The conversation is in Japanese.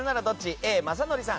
Ａ、雅紀さん